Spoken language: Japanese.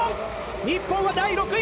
日本は第６位。